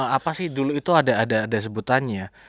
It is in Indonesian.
apa sih dulu itu ada sebutannya